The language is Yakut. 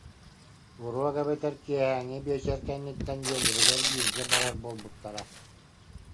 Уруок эбэтэр киэһээҥҥи биэчэр кэнниттэн дьиэлэригэр бииргэ барар буолбуттара